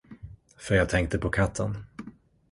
För jag tänkte på katten.